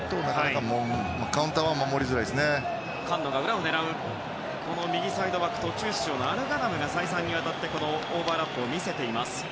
サウジアラビアは右サイドバック途中出場のアルガナムが再三にわたってオーバーラップを見せています。